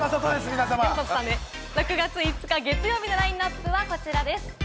６月５日、月曜日のラインナップはこちらです。